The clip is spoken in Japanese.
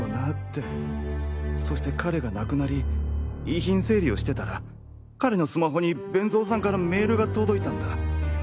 そして彼が亡くなり遺品整理をしてたら彼のスマホに勉造さんからメールが届いたんだ。